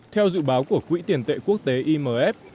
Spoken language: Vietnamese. theo dự báo của quỹ tiền tệ quốc tế imf